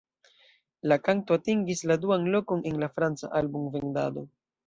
La kanto atingis la duan lokon en la franca album-vendado.